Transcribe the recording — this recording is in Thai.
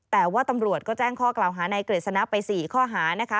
แต่ว่าตำรวจก็แจ้งข้อกล่าวหานายกฤษณะไป๔ข้อหานะคะ